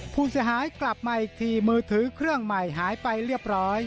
ผู้เสียหายกลับมาอีกทีมือถือเครื่องใหม่หายไปเรียบร้อย